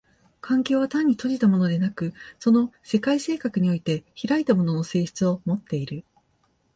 環境は単に閉じたものでなく、その世界性格において開いたものの性質をもっている。